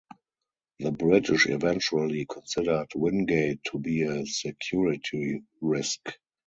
The British eventually considered Wingate to be a security risk.